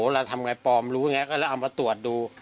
เราทำอย่างไรปลอมรู้อย่างไรก็เอามาตรวจดู